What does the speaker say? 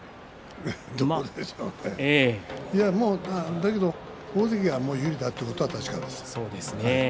だけど大関が有利だということは確かですよ。